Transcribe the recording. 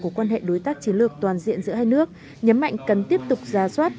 của quan hệ đối tác chiến lược toàn diện giữa hai nước nhấn mạnh cần tiếp tục ra soát